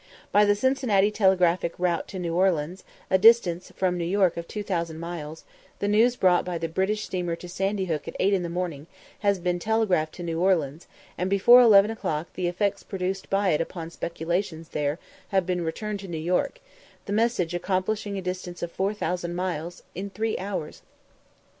By the Cincinnati telegraphic route to New Orleans, a distance from New York of 2000 miles, the news brought by the British steamer to Sandy Hook at 8 in the morning has been telegraphed to New Orleans, and before 11 o'clock the effects produced by it upon speculations there have been returned to New York the message accomplishing a distance of 4000 miles in three hours.